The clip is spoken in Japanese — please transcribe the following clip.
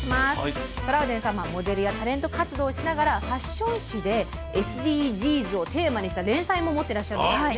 トラウデンさんはモデルやタレント活動をしながらファッション誌でＳＤＧｓをテーマにした連載も持ってらっしゃるんですよね。